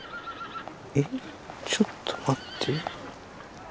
えっちょっと待って。